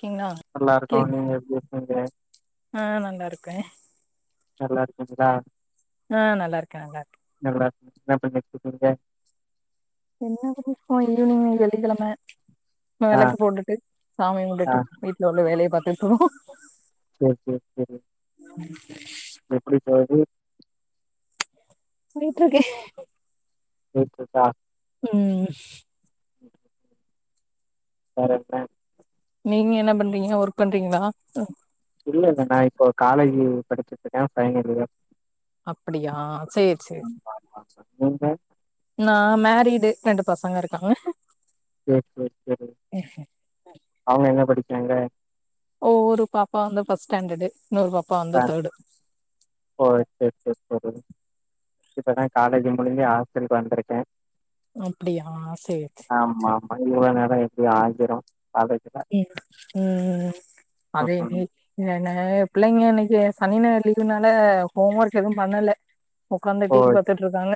கீங்ளா நல்லாருக்கோ நீங்க எப்டி இருக்கீங்க ஆ நல்லாருக்கே நல்லாருக்கீங்ளா ஆ நல்லாருக்கே நல்லாருக்கே என்ன மேடம் என்ன பண்ணிட்ருக்கீங்க என்ன பண்ணிட்ருப்போ ஈவ்னிங் வெள்ளிக்கெழம ஆ வெளக்கு போட்டுட்டு சாமிய ஆ கும்ட்டுட்டு வீட்ல உள்ள வேலய பாத்துட்ருக்குறோ சேர் சேர் சேரி எப்டி போது போய்ட்ருக்கு போய்ட்ருக்கா ம் [inaudible] வேற ப்ளான் நீங்க என்ன பண்றீங்க ஒர்க் பண்றீங்களா இல்ல இல்ல நா இப்போ காலேஜு படிச்சட்டு இருக்கே ஃபைனல் இயர் அப்டியா சேரி சேரி ஆமா ஆமா ஆமா. நீங்க நா மேரீடு ரெண்டு பசங்க இருக்காங்க சேர் சேர் சேரி அவுங்க என்ன படிக்காங்க ஓ ஒரு பாப்பா வந்து ஃபர்ஸ்ட்டாண்டர்டு இன்னொரு பாப்பா ஆ வந்து தேர்டு ஓ சேர் சேர் செரி இப்பதா காலேஜு முடிஞ்சு ஹாஸ்டலுக்கு வந்துருக்கே அப்டியா சேரி சு ஆமா ஆமா இவ்வளோ நேர எப்டியோ ஆகிரோ காலே ம் ம் ம் ம் அதே நீ என பிள்ளைங்க இன்னைக்கு சனி ஞாயிறு லீவுனால ஹோம் ஒர்க் எது பண்ணல ஒக்காந்து டீவி பாத்துட்ருக்காங்க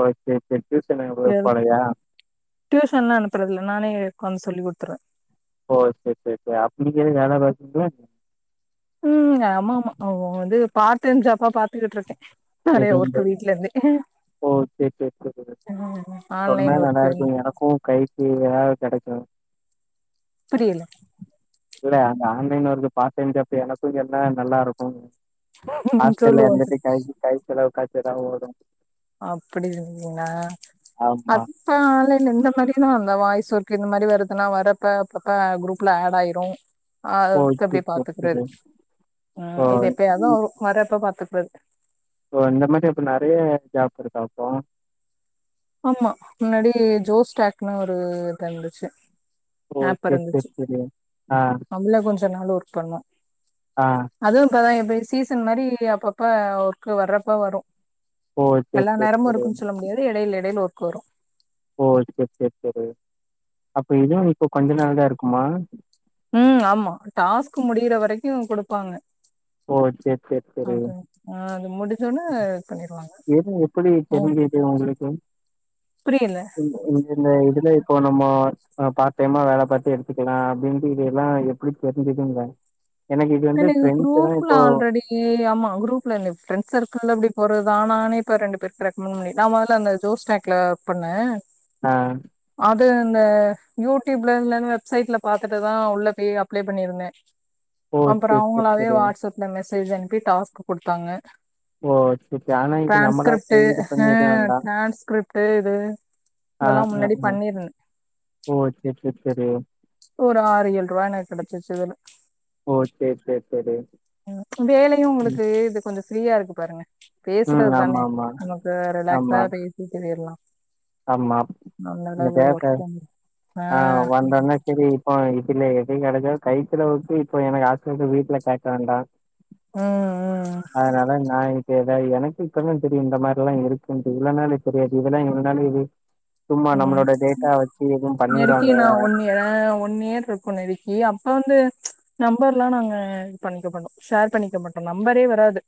ஓகே ஓகே ஓகே டியூஷன் எங்கயு போலையா ட்யூஷன்லா அனுப்றதுல நானே உக்காந்து சொல்லி குடுத்துறுவே ஓ சேரி சேரிக்கா அப்போ நீங்க எது வேல்ல பாத்திங்கனா ம் ஆமா ஆமா அவோ வந்து பார் டைம் ஜப்பா பாத்துக்கிட்ருக்கே நெறைய செகண்ட் டே. ஒர்க் வீட்ல இருந்தே ஓ சேரி சேரி சேரி சொன்னா ஆன்லைன் நல்லா ஒர்க்கு இருக்கு எனக்கு கை க்கு எதாவு கெடைக்கு புரியல இல்ல அந்த online work part time job எனக்கு சொன்னா நல்லா இருக்கு ஹஸ்டல்ல சொல்லுவோ இருந்துட்டு கை கை செலவு காச்சு எதா ஒதவு அப்டி இருந்திங்லா அ ஆமா. ப்ப ஆன்லைன்ல இந்த மாரிதா இந்த வாய்ஸ் ஒர்க இந்த மாரி வருதுன்னா வரப்ப அப்பப்ப குரூப்ல ஆட் ஆய்ரு அ அது ஓ! எடுத்து அப்டியே சரி, சரி, பாத்துக்றது சரி. ஓ! ம் இது எப்பயாது தா ம். வரு வரப்ப பாத்துக்குறது ஓ இந்த மாரி அப்ப நெறைய ஜாப் இருக்கா அப்போ ஆமா முன்னாடி ஜோஸ் டாக்குனு ஒரு இதுல இருந்துச்சு ஓ சே சே சேரி ஆ அதுல கொஞ்ச நாள் ஒர்க் பண்ணோ ஆ அதுவு இப்பாதா இப்டி சீசன் மாரி அப்பப்ப ஒர்க்கு வர்றப்ப வரு ஓ! சரி, எல்லா சரி, நேரமு சரி. இருக்குனு சொல்ல முடியாது எடையில எடையில ஒர்க் வரு ஓ சேர் சேர் சேரி அப்ப இதுவு இப்ப கொஞ்ச நாள் தா இருக்குமா ம் ஆமா டாஸ்க்கு முடியுற வரைக்கு குடுப்பாங்க ஓ! சரி, சரி, சரி. அது ஆ அது முடிஞ்சொட்னே இது பண்ணிருவாங்க எப்டி ம் தெருஞ்சுது உங்களுக்கு புரியல உ உங்களுக்கு இந்த இதுல இப்போ நம்ம ஆ பார்ட் டைமா வேல பாத்து எடுத்துக்கலா அப்டின்ட்டு இது எல்லா எப்டி தெரிஞ்துங்ற எனக்கு இது வந்து எனக்கு ஃப்ரெண் குரூப்ல ஆல்ரெடி இ ஆமா குரூப்லருந்து ஃப்ரண்ட்ஸ் செர்க்குல்ல இப்டி போட்றதா ஆ நானே இப்ப ரெண்டு பேருக்கு ரெக்கமண்ட் பண்ணி நா மொதல்ல அந்த ஜோஸ் டாக் லா பண்ணே அ அது இந்த யூடிப்ல இல்ல இந்த வெப்சைட்ல பாத்துட்டுதா உள்ள போய் அப்ளே பண்ணிருந்தே ஓ அப்றோ சரி சரி அவுங்களாவே சரி. வாட்ஸ்அப்ல மெசேஜ் அனுப்பி டாஸ்க் குடுத்தாங்க ஓ சரி சரி. ஆனா இது நம்மளா டிரான்ஸ்கிரிப்ட் போய் இது பண்ணி ஆ எதும் வேண்டாம். டிரான்ஸ்கிரிப்ட் இது ஆ இதெல்லா ஆ முன்னாடி ஆ. பண்ணிருந்தே ஓ சரி சரி சரி. ஒரு ஆறு ஏழ் ருவா எனக்கு கெடச்சுச்சு இதுல ஓ சேரி சேரி சேரி வேலையு உங்களுக்கு இது கொஞ்சோ ஃப்ரீயா இருக்கு பாருங்க ம். பேசுறது தானே ஆமாமா. நமக்கு ஆமா ரிலாக்ஸா ஆமா. பேசிட்டு பொய்ரலா ஆமா இல்ல கேட்டே பண்ணுது ஆ ஆஹ் வந்த ஒன்னே செரி ஆ இதுல எதுவு கெடைச்சா கை செலவுக்கு இப்ப எனக்கு ஹாஸ்டல்க்கு வீட்ல கேக்க வேண்டா உம் உம் அதனால நா இ எதா எனக்கு இப்பதா தெரியு இந்த மாரில்லா இருக்குன்ட்டு இவ்ளோ நாளா எனக்கு தெரியாது இதெல்லா இவ்ளோ நாள் இது சும்மா உம் நம்மளோட டேட்டா வச்சி எது நெருக்கி நா ஒன் யா ஒன் இயர் இருக்கு நெருக்கி அப்ப வந்து நம்பர்ல்லா நாங்க இது பண்ணிக்க மாட்டோ ஷேர் பண்ணிக்க மாட்டோ நம்பரே வராது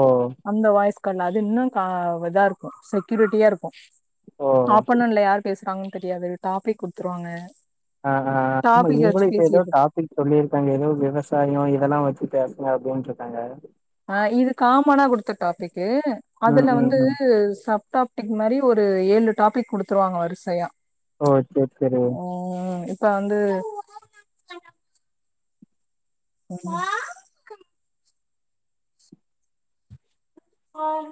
ஓ அந்த வாய்ஸ் கால்ல அது இன்னு கா இதா இருக்கு செக்யூரிட்டியா இருக்கு ஓ ஆப்பொனேண்ட்ல யார் பேசுறாங்கன்னு தெரியாது டாபிக் குடுத்துருவாங்க ஆ ஆ ஆமா டாபிக் வச்சு இவங்களு இப்ப ஏதோ பேசிட்டு டாபிக் சொல்லிருக்காங்க ஏதோ விவசாயோ இதெல்லா வச்சு பேசணு அப்டின்னுருக்காங்க ஆ இது காமனா குடுத்த டாபிக்கு ம் அதுல ம் வந்து ம் சப் டாபிக் மாரி ஒரு ஏழு டாபிக் குடுத்துருவாங்க வருசையா ஓ சேரி சேரி ம் இப்ப வந்து ம் ஆம்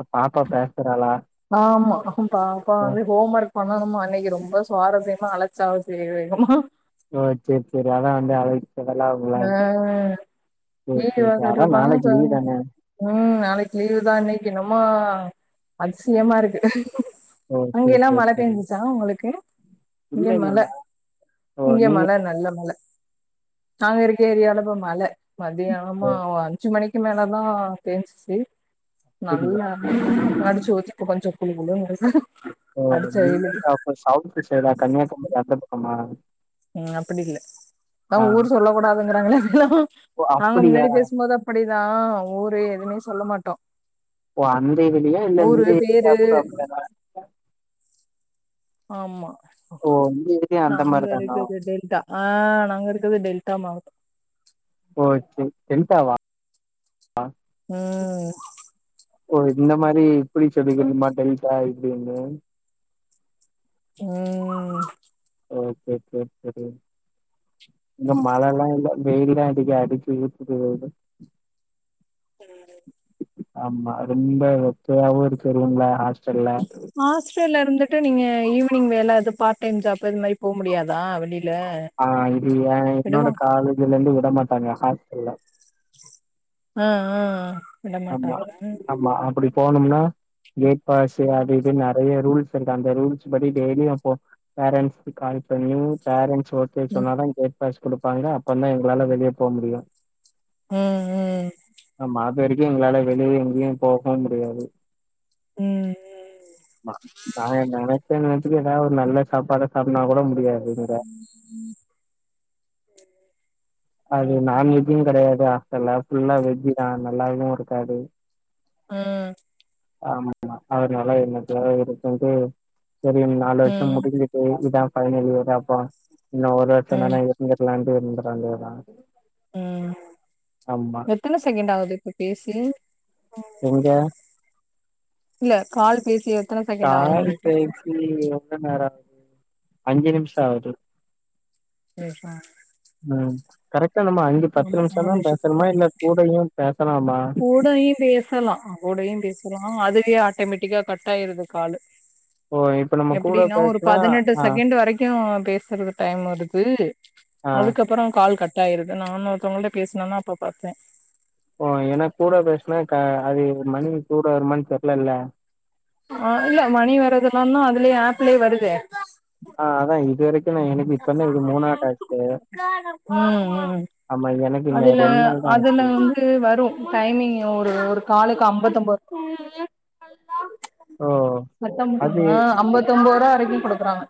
ஆ பாப்பா பேசுறாளா ஆமா பாப்பா ஓ வந்து ஹோம் ஒர்க் பண்ணனுமா இன்னக்கி ரொம்ப சுவாரஸ்யமா அழச்சாவ செய்ய வேணுமா ஓ சேரி சேரி அதா வந்து அழகு வெளாடுதுங்களா ஆ சேரி டிவி சேரி சேரி பாத்துட்டு அதா இருப்பாங்க நாளைக்கி லீவு இப்ப தான ம் நாளைக்கு லீவ் தா இன்னக்கி என்னமோ அதிசயமா இருக்கு ஓ சேரி அங்கெல்லா சேரி மழ சேரி பேஞ்சிச்சா ஒங்களுக்கு இல்ல இங்க இல்ல மழ நா ஓ இங்க நீங்க மழ நல்ல மழ நாங்க இருக்க ஏரியால இப்ப மழ மதியானமா ஒரு அஞ்சு மணிக் க்கு மேல தா பேஞ்சிச்சு சேரிங்க நல்லா அடிச்சு ஊத்தி இப்ப கொஞ்சோ குளு குளுன்னு இருக்கு ஓ அடிச்ச நீங்க வெயிலுக்கு வந்து அப்ப சவுத் சைடா கன்னியாகுமரி அந்த பக்கமா ம் அப்டி இல்ல அதா ஆ. ஊர் சொல்ல கூடாதுங்கறாங்கல்ல அவங்கதா ஓ! நாங்க அப்படியா? முன்னாடி பேசும்போது அப் டிதா ஊரு எதுவுமே சொல்ல மாட்டோ ஓ அந்த இதுலயா இல்ல ஊரு இந்த இந்த பேரு ஆப்புக்கு அப்டிதானா ஆமா ஓ இந்த இதுலயு அந்த நாங்க மாரிதானா இருக்கது டெல்டா ஆ நாங்க இருக்கது டெல்டா மாவட்டம் ஓ சேரி டெல்டாவா ஆ ம் ஓ இந்த மாரி இ இப்பிடி சொல்லிக்கணுமா டெல்டா இப்டின்னு. ம். ஓகே சேர் சேரி. இங்க மழல்லா இல்ல வெயில்தா அடிக்கு அடிச்சு ஊத்துது வேர்வ. அ அது. ஆமா ரொம்ப வெக்கயாவு இருக்கு ரூம்ல ஹாஸ்டல்ல. ஹாஸ்டல்ல இருந்துட்டு நீங்க ஈவினிங் வேல இது பார்ட் டைம் ஜாப்பு அது மாரி போ முடியாதா வெளில? ஆ இது ஏ என்னோட விடுவா காலேஜ்ல இருந்து விட மாட்டாங்க ஹாஸ்டல்ல. அ அ. ஆமா ஆமா அப்டி போணும்னா கேட் பாஸு அது இதுன் நெறைய ரூல்ஸ் இருக்கு அந்த ரூல்ஸ் படி டெய்லி அப்போ பேரண்ட்ஸ்க்கு கால் பண்ணி பேரண்ட்ஸ் ஒ த்து ம் சொன்னாதா கேட் பாஸ் குடுப்பாங்க அப்பற்ந்தா எங்ளால வெளிய போவ முடியு. ம்ம். ஆமா அதுவரைக்கு எங்ளால வெளிய எங்கியு போகவு முடியாது. ம். மா நா எ நெனச்சேன் வெச்சிக்க ஏதாவ் ஒரு நல்ல சாப்பாட சாப்ன்னா கூட முடியா ம் ம். அது நான்வெஜ்ஜும் கெடையாது ஹாஸ்டல்ல ஃபுல்லா வெஜ்ஜுதா நல்லாவு இருக்காது. ம். ஆமாமா அதனால என்னத்த இருக்குன்ட்டு செரியா நாலு வருஷோ ம் முடிஞ்சு ச்சு இதா ஃபைனல் இயராப்போ இன்னு ஒரு ம் வருஷந்தான இருந்துர்லான்ட்டு இருந்துற வேண்டியதா. அம்மா. த்தன செகண்ட்டு ஆவுது இப்ப பேசி. எங்க? இல்ல கால் பேசி எத்தன செகெண்ட்டு ஆவுதுன் கேக்ற. ம் இங்க எவ்ளோ நேரோ ஆவுது அஞ்சு நிம்ஷோ ஆவுது. [unintelligible] ம் கரெக்ட்டா நம்ம அஞ்சு ஆமா பத்து ஆறு நிம்ஷந்தா நிமிஷோ பேசணுமா இல்ல கூடையு பேசலாமா? கூடையு பேசலா கூடையு பேசலா அதுவே ஆட்டேமேட்டிக்கா கட்டாயிருது காலு. ஓ இப்ப நம்ம கூட எப்பிடின்னா ஒரு பேசுனா பதினெட்டு ஆ செகண்ட்டு வரைக் கு பேசறது டைம் வருது ஆ அதுக்கப்புறோ கால் கட் டாயிருது நானு ஒருத்தவங்கள்ட்ட பேசுனனா அப்போ பாத்தே. ஓ ஏனா கூட பேசுனா க அது மணி கூட வருமான் தெர்லல்ல. ஆ இல்ல மணி வர்றதெல்லாந்தா அதுலியே ஆப்லியே வருதே. ஆ அதா இதுவரை ம் ம். ஆமா எனக்கு இந்த அதுல ரெண்டு நாள் தா அதுல ஆச்சு வந்து ட்டு வரு டைமிங் ஒரு ஒரு காலுக்கு அம்பத்தொம்போது ஓ அது ஆ அம்பத்தொம்போருவா வரைக்கி குடுக்குறாங்க.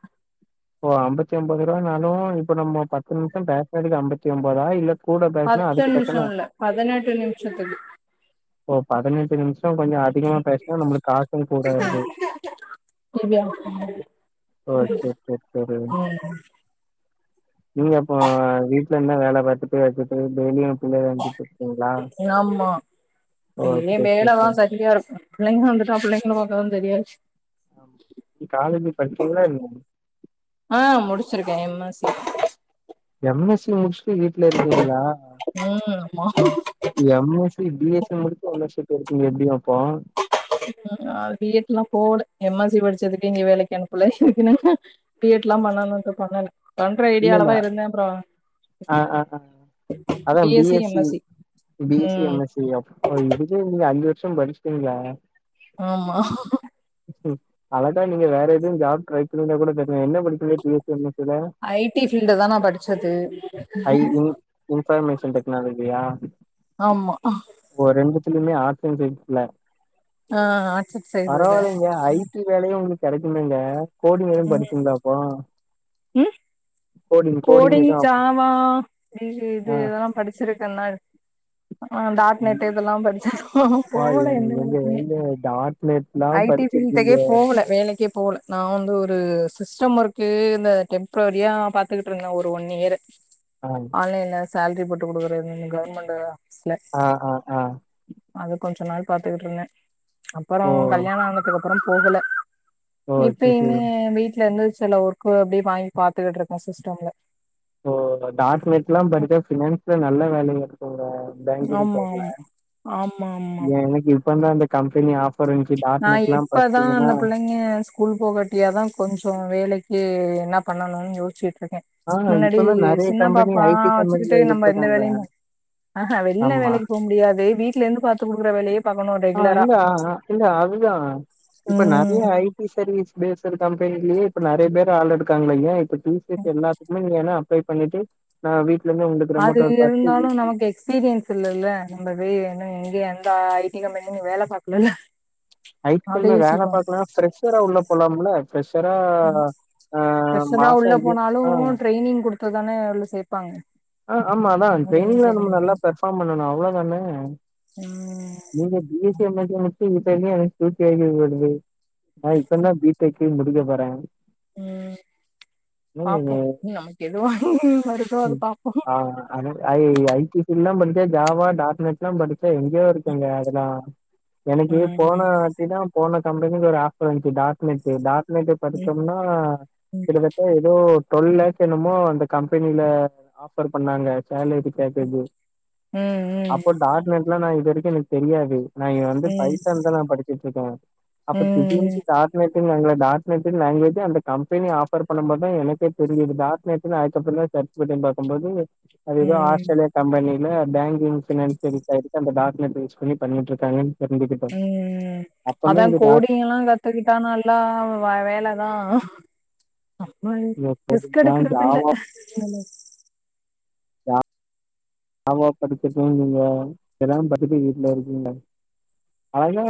ஓ அம்பத்தி ஒம்பது ருவானாலு இப்ப நம்போ பத்து நிம்ஷம் பேசனதுக்கு அம்பத்தி ஒம்போதா இல்ல கூட பேசுனா பத்து அதுக்கு தக்கன நிம்ஷோ இல்ல பதனெட்டு நிமிஷத்துக்கு. ஓ பதனஞ்சு நிம்ஷோ கொஞ்சோ அதிகமா பேசுனா நம்மளுக் காசு கூட வருது. [unintelligible] ஓகே செர் செரி. நீங்க அப்போ வீட்லருந்தே வேல பாத்தட்டு அதுத்து டெய்லியு ஆமா ஓ டெயிலியு சரி மேல சரி வா சரி சரியா இருக் பிள்ளைங்க வந்துட்டா பிள்ளைங்களா பாக்கதா தெரியாருக் காலேஜு படிச்சிங்களா இல்லையா ஆ முடிச்சி இருக்கே M S C M S C முடிச்சுட்டு வீட்ல இருக்கீங்களா ம் ஆமா M S C B S C முடிச்சு ஓன்னர்ஷிப் எடுத்தீங்ளே எப்டி அப்பா நா பி எட் லா போல எம் எஸ் சி படிச்சதுக்கே இங்க வேலைக்கு அனுப்பல்ல இதுக்கு நா பி எட் லா பண்ணனுன்ட்டு பண்ணல பண்ற இல்ல ஐடியாலா இல்ல தா இருந்தே அப்றோ ஆ ஆ ஆ அதா B S C B C ம் எம் எஸ் சி எப்பா இதுக்கே நீங்க அஞ்சு வருஷோ படிச்சுட்டிங்களா ஆமா ம் அழகா நீங்க வேற எது ஜாப் டிரை பண்ணீங்கனா கூட தெரியு என்ன படிச்சல B S C M S C ல ஐ டி ஃபீல்டு தா நா படிச்சது ஐ இன் இன்ஃபர்மேஷன் டெக்னாலஜியா ஆம்மா ஓ ரெண்டுத்துலயுமே ஆர்ட்ஸ் அண் சைன்ஸ்ல ஆ ஹ ஆர்ட்ஸ் அண் சைன்ஸ்ங்க ங்க ஐ டி வேலையு உங்குளுக்கு கெடைக்குமேங்க கோடிங் எதும் படிச்சீங்களா அப்போ உம் கோடிங் ஜாவா இது இது ஆ இதெல்லா படிச்சி இருக்கேல்லாது ஆமா டார்க் நெட்டு இதெல்லா படிச்சே அப்பா போல எந்த எங்க வேலைக்குமே ஏங்க டாட் ஐ நெட்லாம் டி படிச்சிருக்கீங்க ஃபீல்டுக்கே போவல வேலைக்கே போவல நா வந்து ஒரு சிஸ்டம் ஒர்க்கு இந்த டெம்ப்ரவரியா பாத்துக்கிட் டு இருந்தே ஒரு ஒன் இயரு ஹ ஆன்லைன்ல சால்டிரி போட்டு குடுக்குறதுனு கவர்மெண்ட்டு ஆஃபீஸ்ல ஆ ஆ ஆ அது கொஞ்ச நாள் பாத்துக்கிட்டு இருந்தே அப்பறோ ஓ கல்யாண ஆனத்து அப் பறோ போகல்ல ஓ சரி சரி இப்பயிமே வீட்டுல இருந்து செல ஒர் க்கு அப்டி வாங்கி பாத்துகிட்டு இருக்கே சிஸ்டேம்ல சோ டாட்நெட் எல்லா படிச்ச பினான்ஸ்ல நல்ல வேல இருக்குங்க பேங்கிங் ஆமா சைட்ல ஆமா ஆமா ஆமா எனக்கு இப்ப தான் கம்பெனி ஆ கோறஞ்சு டாட்நெட்லா பச்சீங்கென்னா நீங்க ஸ்கூல் போகட்டியாதா கொஞ்சோ வேலைக்கு என்ன பண்ணணுன்னு யோச்சிட்டு இருக்கே ஆ முன்னாடி இப்பதா நெறைய சின்ன கம்பெனி பாப்பா ஐ டி வச்சுக்கிட்டே கம்பெனில நம்ம எந்த விட்ருக்காங்க வேலையு பாக் ஆ ஹ வெல்ல ஆமா வேலைக்கு போக முடியாது வீட்ல இருந்து பாத்து குடுக்குற வேலையே பாக்கணு ஆ ரெகுலரா இல்ல ஆ, இல்ல அதுதா இப்ப நெறைய ம் ஐ டி சர்வீஸ் பேஸ்சர் கம்பெனிலே இப்ப நெறைய பேர்ர ஆள் எடுக்காங்ல்ல ஏ இப்ப டிங்க்சு எல்லாத்துக்குமே நீங்க என்னா அப்ளை பண்ணிட்டு நா வீட்டுல இருந்து உண்டுக்கிற அது மோட்டல் பாத்து இருந்தாலு நமக்கு எக்ஸ்பீரியன்ஸ் இல்ல ல நம்ம வே என்ன எங்க அந்தா ஐ டி கம்பென்னு வேல பாக்கலல்ல ஐ ட் அத கம்னெல்ல வேல யோசிப்பாங்க பாக்கலா ஃப்ரெஷரா உள்ள போலாம்ல ஃப்செஷரா ம். ஆ மாசோ எப்டியு ஆ ட்ரெயினிங் குடுத் த்து தானே உள்ள சேப்பாங்க ஆ ஆமா அதா உடனே ட்ரெய்னிங்ல சேக்க நம்ம நல்லா பெர்ஃபார்ம் பண்ணணு அவ்ளோதான நா நீங்க B S C M S C [inaudible] எனக்கு தூக்கி வாரி போடுது நா இப்பந்தா பி டெக்கே முடிக்க போறே ம் பாப்போ நமக்கு எதுவா [unintelligible] அது பாப்போ ஆனாலு ஐ ஐடி ஃபீல்ட்லா படிச்சா ஜாவா டாட்னெஸ்ல்லா படிச்சா எங்கயோரு க்குங்க அதல்லா எனக்கு போன ம் வாட்டி தா போன கம்பெனில ஒரு ஆஃபர் வந்துச்சு டாட்நெட்டு டாட் நெட்டு ம் படிச்சம்னா ம் கிட்ட தட்ட எதோ ட்வெல் லாக்ஸ் என்னமோ அந்த கம்பெனில ஆஃபர் பண்ணாங்க சேலரி பேக்கேஜு ம் அப்போ டாட் நெட்லா நா இது வரைக்கு எனக்கு தெரியாது நா இங்க வந்து ம் பைசான் தா நா படி ச்சுட்ருக்கே அப்ப திடீர்னுட்டு ம் டா ட் நெட்டுனாங்கல டாட் நெட்டுனு லாங்வேஜு அந்த கம்பெனி ஆஃபர் பண்ணம்போதுதா எனக்கே தெரிஞ்சது டாட் நெட்டுனு அதுக்கப்றோ தா [inaudible] பாக்கம்போது அது ம் எதோ ம் ஆஸ்திரேலியா கம்பெனில பேங்கிங் ஃபினான்சியல் [inaudible] அந்த டா [inaudible] பண்ணிட்ருக்காங்கன் ம் அதா டாட் கோடிங்கல்லா கத்துக்கிட்டா நல்லா வேலதா நம்ம நீங்க கோடிங்லாம், ரிஸ்க்கெடுக்குறது இல்ல ஜாவா ஆமா படிச்சுட்ருந்தீங்க எல்லா படிச்சுட்டு வீட்ல இருக்கீங்க ஆனா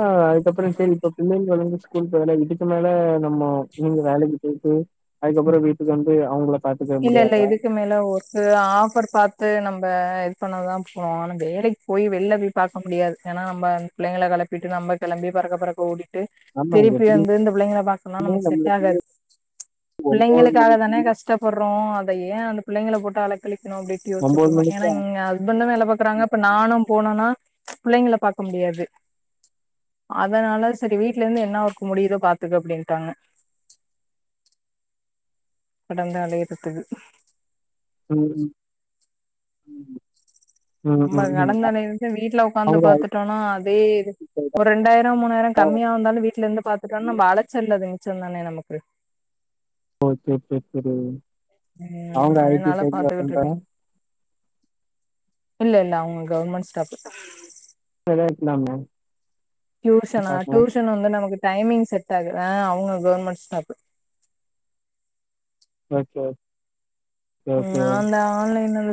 அப்றோ செரி இப்ப பிள்ளைங்கள் வந்து ஸ்கூல் போகைல இதுக்கு மேல நம்மொ நீங்க வேலைக்கு போய்ட்டு அதுக்கப்றோ வீட்டுக்கு வந்து அவுங்ள இல்ல இல்ல இதுக்கு மே ல ஒரு ஆஃபர் பாத்து நம்ப இது பண்ண தா போனோ ஆனா வேலைக்கு போய் வெள்ல பார்க்க முடியாது ஏனா நம்பந் பிள்ளைகள கெளப்பிட்டு நம்ப கெளம்பி பறக்க பறக்க ஓடி ட்டு ஆமா திருப்பி எப்படியுமே வந்து இந்த பிள்ளைங்ள பாக்குனா நமக்கு நம்மளுக்கு செட்டாகாது பிள்ளைங்களுக்கு மணிக்கு தானே கஷ் பட்றோ அத ஏ அந்த பிள்ளைங்கள போட்டு அலக்களிக்கணு அப்டின்ட்டு யோச்சுட்ருந்தே ஏனா மணிக்கு எங்க ஹஸ்பண்ட்டு வேல பாக்குறாங்க இப்ப நானு போனனா பிள்ளைங்ள பாக்க முடியாது அதனால செரி வீட்லருந்து என்ன வொர்க்கு முடிதோ பாத்துக்க அப்டின்ட்டாங்க படந்தாலே [unintelligible] ம் ம் ம். ம், ம், ம். நம்ம [unintelligible] வீட்ல உக்காந்து அவங்க ஐடி பாத்துட்டோனா அதே இது சைடா? ஒரு ரெண்டாயிரோ மூணாயிரோ கம்மியா வந்தாலு வீட்லருந்து பாத்துட்டோனா நம்ப அலச்சல் இல்ல அது மிச்சோ தானே நமக்கு ஓ சேர் சேர் சேரி ம் அதனால பாத்துக்கிட்ருக்கே இல்ல இல்ல அவுங்க கவுர்மென்ட் ஸ்டாஃப்ஃபு சொல்லிருக்லா மேம் டியூஷனா டியூஷன் வந்து நமக்கு டைமிங் செட் ஆகு ஆ அவுங்க கவுர்மென்ட் ஸ்டாஃப்பு ஓகே ஓ ம் அந்த ஆன்லைன்